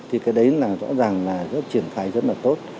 thì cái đấy là rõ ràng là rất triển khai rất là tốt